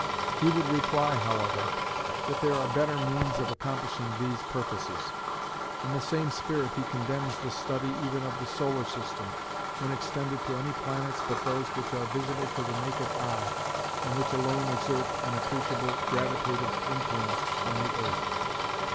He would reply, however, that there are better means of accomplishing these purposes. In the same spirit he condemns the study even of the solar system, when extended to any planets but those which are visible to the naked eye, and which alone exert an appreciable gravitative influence on the earth.